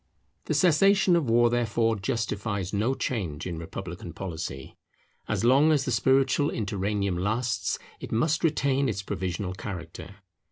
The cessation of war therefore justifies no change in republican policy. As long as the spiritual interregnum lasts, it must retain its provisional character.